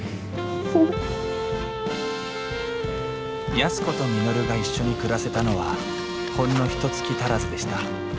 安子と稔が一緒に暮らせたのはほんのひとつき足らずでした。